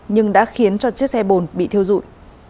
nhưng đã khiến cho chiếc xe bồn bị thiêu dụi